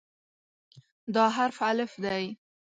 دا حرف "الف" دی.